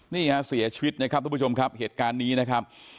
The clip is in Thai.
นี่ฮะเสียชีวิตนะครับทุกผู้ชมครับเหตุการณ์นี้นะครับ